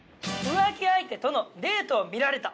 浮気相手とのデートを見られた！